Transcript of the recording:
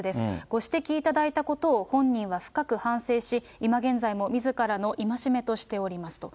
ご指摘いただいたことを本人は深く反省し、今現在もみずからの戒めとしておりますと。